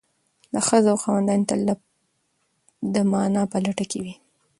د ښه ذوق خاوندان تل د مانا په لټه کې وي.